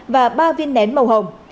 và ba viên nén màu hồng